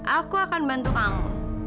aku akan bantu kamu